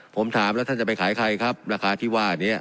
ผมถามแล้วท่านจะไปขายใครครับราคาที่ว่านี้